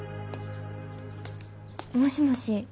もしもし。